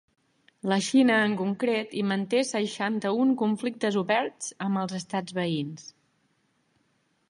La Xina, en concret, hi manté seixanta-un conflictes oberts amb els estats veïns.